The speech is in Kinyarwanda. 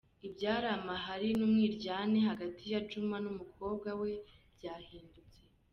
Ibyari amahari n’umwiryane hagati ya Juma n’umukobwa we byahindutse.